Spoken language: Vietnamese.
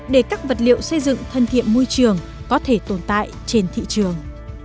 để các vật liệu xây dựng thân thiện môi trường có thể tồn tại trên thị trường